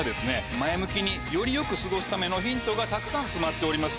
前向きにより良く過ごすためのヒントがたくさん詰まっております。